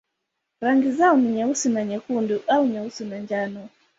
Rangi zao ni nyeusi na nyekundu au nyeusi na njano.